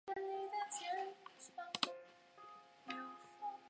当今锡耶纳大学以其法学院和医学院闻名。